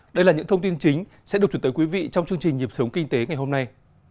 đây là những thông tin chính sẽ được chuyển tới quý vị trong chương trình nhịp sống kinh tế ngày hôm nay